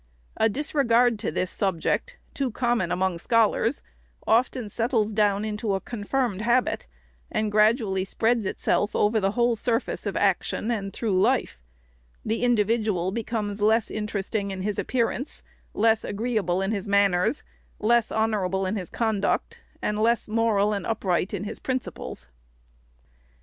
A disregard to this subject, too common among scholars, often settles down into a confirmed habit, and gradually spreads itself over the whole surface of action, and through life ; the individual becomes less interesting in his appearance, less agreeable in his manners, less honor able in his conduct, and less moral and upright in his principles.